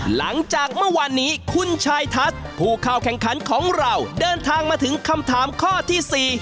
หลังจากเมื่อวานนี้คุณชายทัศน์ผู้เข้าแข่งขันของเราเดินทางมาถึงคำถามข้อที่๔